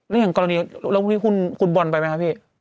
แล้วอย่างกรณีแล้วคุณบอลไปไหมครับพี่